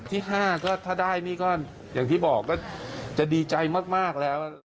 ที่๕ก็ถ้าได้นี่ก็อย่างที่บอกก็จะดีใจมากแล้ว